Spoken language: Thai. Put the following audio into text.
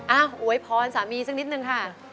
อวยพรสามีสักนิดนึงค่ะ